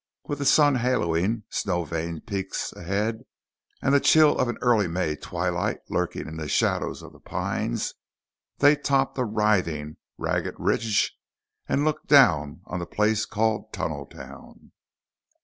With the sun haloing snow veined peaks ahead and the chill of an early May twilight lurking in the shadows of the pines, they topped a writhing, ragged ridge and looked down on the place called Tunneltown.